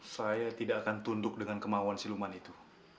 saya tidak akan tunduk dengan kemauan siluman itu